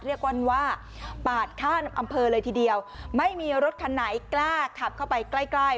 เรียกว่าปาดข้ามอำเภอเลยทีเดียวไม่มีรถคันไหนกล้าขับเข้าไปใกล้ใกล้